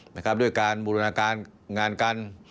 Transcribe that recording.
นะครับด้วยการบุรุณาการงานกัน